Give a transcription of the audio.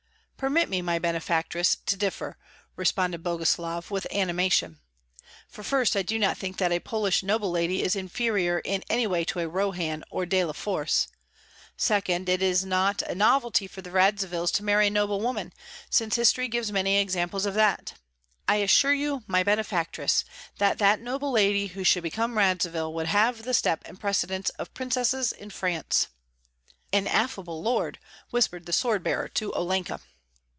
"Permit me, my benefactress, to differ," responded Boguslav, with animation; "for first I do not think that a Polish noble lady is inferior in any way to a Rohan or De la Forse; second, it is not a novelty for the Radzivills to marry a noble woman, since history gives many examples of that. I assure you, my benefactress, that that noble lady who should become Radzivill would have the step and precedence of princesses in France." "An affable lord!" whispered the sword bearer to Olenka.